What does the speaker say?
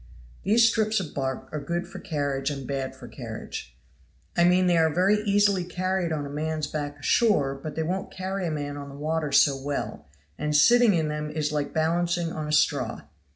These strips of bark are good for carriage and bad for carriage; I mean they are very easily carried on a man's back ashore, but they won't carry a man on the water so well, and sitting in them is like balancing on a straw.